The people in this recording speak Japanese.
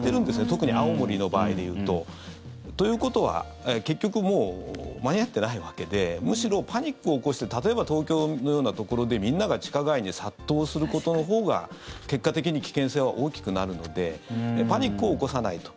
特に青森の場合でいうと。ということは結局、もう間に合ってないわけでむしろ、パニックを起こして例えば、東京のようなところでみんなが地下街に殺到することのほうが結果的に危険性は大きくなるのでパニックを起こさないと。